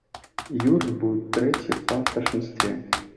Юрый быў трэці па старшынстве.